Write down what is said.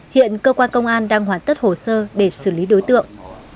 hiện cơ quan công an đang hoàn tất hồ sơ để xử lý đối tượng